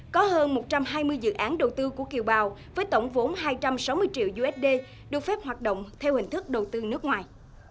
có hơn một trăm hai mươi dự án đầu tư của kiều bào với tổng vốn hai trăm sáu mươi triệu usd được phép hoạt động theo hình thức đầu tư nước ngoài